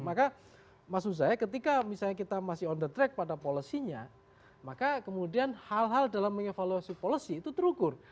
maka maksud saya ketika misalnya kita masih on the track pada policy nya maka kemudian hal hal dalam mengevaluasi policy itu terukur